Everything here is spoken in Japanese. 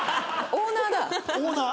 オーナー。